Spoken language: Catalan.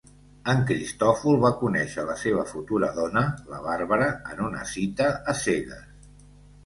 En Cristòfol va conèixer la seva futura dona, la Barbara, en una cita a cegues.